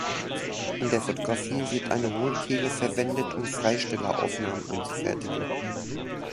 In der Fotografie wird eine Hohlkehle verwendet, um Freisteller-Aufnahmen anzufertigen.